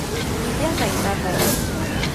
¡Wiyallamay, mamay!